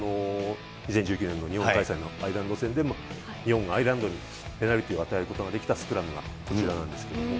２０１９年の日本開催のアイルランド戦でも、日本がアイルランドにペナルティーを与えることができたスクラムがこちらなんですけれども。